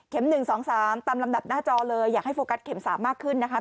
๑๒๓ตามลำดับหน้าจอเลยอยากให้โฟกัสเข็ม๓มากขึ้นนะคะ